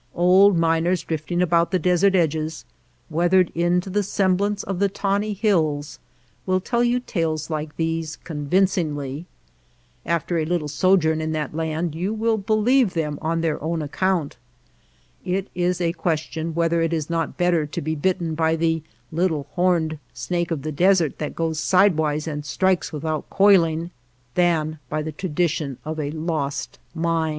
Old miners drifting about the desert edges, weathered into the semblance of the tawny hills, will tell you tales like these convincingly. After a little sojourn in that land you will believe them on their own account. It is a question whether it is not better to be bitten by the little horneci~] snake of the desert that goes sidewise and strikes without coiling, than by the tradition of a lost mine.